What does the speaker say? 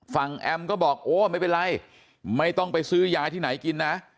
แอมก็บอกโอ้ไม่เป็นไรไม่ต้องไปซื้อยาที่ไหนกินนะ